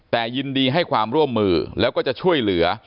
แต่ยินดีให้ความร่วมมือแล้วก็จะช่วยเหลือ